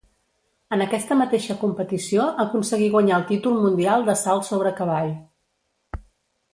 En aquesta mateixa competició aconseguí guanyar el títol mundial de salt sobre cavall.